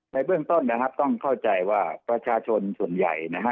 ในเบื้องต้นนะครับต้องเข้าใจว่าประชาชนส่วนใหญ่นะฮะ